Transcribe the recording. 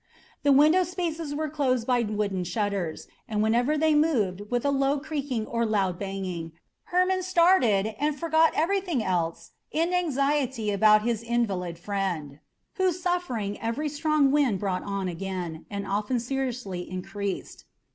The window spaces were closed by wooden shutters, and whenever they moved with a low creaking or louder banging Hermon started and forgot everything else in anxiety about his invalid friend, whose suffering every strong wind brought on again, and often seriously increased.